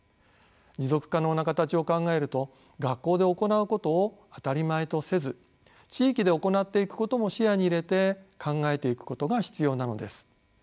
持続可能な形を考えると学校で行うことを当たり前とせず地域で行っていくことも視野に入れて考えていくことが必要なのです。